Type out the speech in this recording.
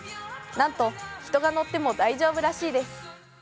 なんと人が乗っても大丈夫らしいです。